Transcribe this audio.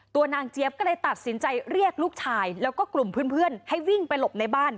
นางเจี๊ยบก็เลยตัดสินใจเรียกลูกชายแล้วก็กลุ่มเพื่อนให้วิ่งไปหลบในบ้าน